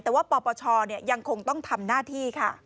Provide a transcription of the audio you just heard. แต่ว่าปปชยังคงต้องทำหน้าที่ค่ะ